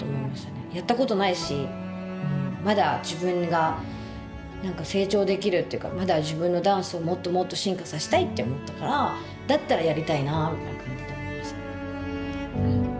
やったことないしまだ自分が成長できるっていうかまだ自分のダンスをもっともっと進化させたいって思ったからだったらやりたいなみたいな感じで思いましたね。